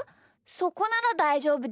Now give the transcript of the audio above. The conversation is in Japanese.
そこならだいじょうぶです。